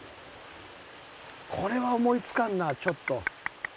これは思い付かんなちょっと。